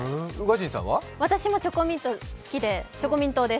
私もチョコミント好きでチョコミン党です。